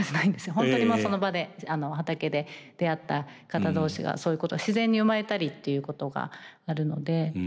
本当にもうその場で畑で出会った方同士がそういうことは自然に生まれたりっていうことがあるので。